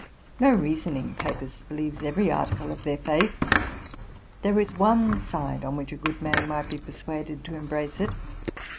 No reasoning Papist believes every article of their faith. There is one side on which a good man might be persuaded to embrace it.